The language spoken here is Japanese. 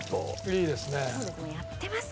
いいですね。